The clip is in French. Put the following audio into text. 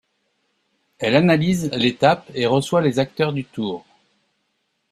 Elle analyse l'étape et reçoit les acteurs du tour.